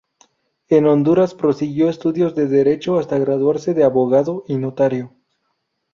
En Honduras prosiguió estudios de Derecho hasta graduarse de Abogado y Notario.